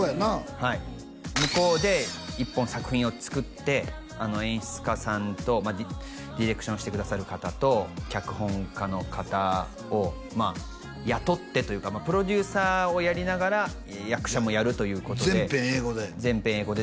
はい向こうで１本作品を作って演出家さんとディレクションしてくださる方と脚本家の方をまあ雇ってというかプロデューサーをやりながら役者もやるということで全編英語で？